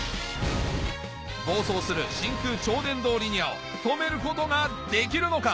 暴走する真空超電導リニアを止めることができるのか？